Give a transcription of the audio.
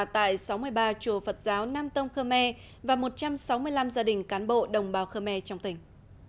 tại sáu mươi ba chùa phật giáo nam tông khơ me và một trăm sáu mươi năm gia đình cán bộ đồng bào khơ me trong tỉnh